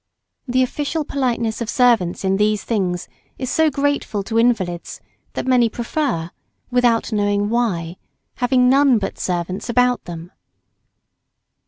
The official politeness of servants in these things is so grateful to invalids, that many prefer, without knowing why, having none but servants about them.